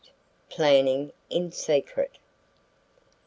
PLANNING IN SECRET.